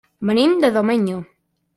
Venim de Domenyo.